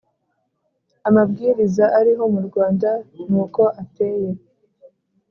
amabwiriza ariho mu Rwanda ni uko ateye